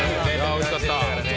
おいしかった。